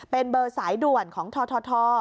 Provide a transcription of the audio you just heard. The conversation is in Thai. เป็นเบอร์สายด่วนของทท